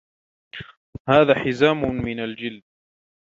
هذا حزام من الجلد.